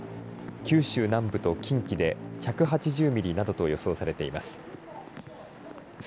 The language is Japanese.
九州南部と近畿で１８０ミリなどと予想されています。